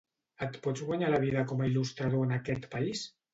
Et pots guanyar la vida com a il·lustrador en aquest país?